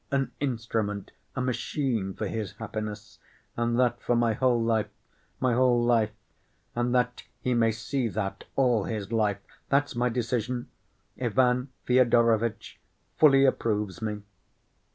—an instrument, a machine for his happiness, and that for my whole life, my whole life, and that he may see that all his life! That's my decision. Ivan Fyodorovitch fully approves me."